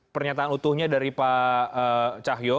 pernyataan utuhnya dari pak cahyo